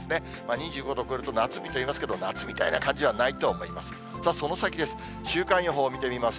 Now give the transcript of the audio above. ２５度を超えると夏日といいますけれども、夏みたいな感じはないと思います。